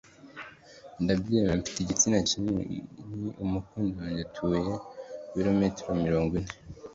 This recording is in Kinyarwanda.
ndabyemera, mfite igitsina kinini umukunzi wanjye atuye ku bilometero mirongo ine